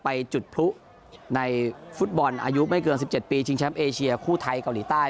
ไปจุดพลุในฟุตบอลอายุไม่เกิน๑๗ปีชิงแชมป์เอเชียคู่ไทยเกาหลีใต้